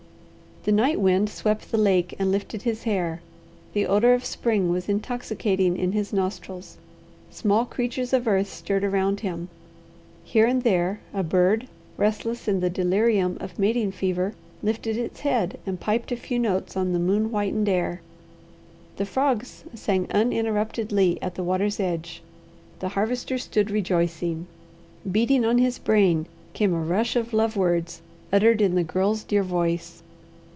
The night wind swept the lake and lifted his hair, the odour of spring was intoxicating in his nostrils, small creatures of earth stirred around him, here and there a bird, restless in the delirium of mating fever, lifted its head and piped a few notes on the moon whitened air. The frogs sang uninterruptedly at the water's edge. The Harvester stood rejoicing. Beating on his brain came a rush of love words uttered in the Girl's dear voice.